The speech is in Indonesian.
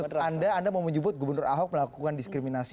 menurut anda anda mau menyebut gubernur ahok melakukan diskriminasi